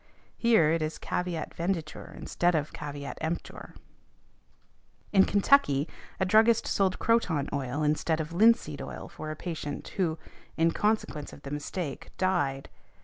Here it is caveat venditor instead of caveat emptor. In Kentucky, a druggist sold croton oil instead of linseed oil for a patient, who, in consequence of the mistake, died.